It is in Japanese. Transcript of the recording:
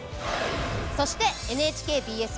そしてＮＨＫＢＳ